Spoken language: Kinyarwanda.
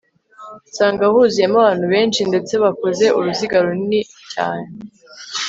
nsanga huzuyemo abantu benshi ndetse bakoze uruziga runi cyane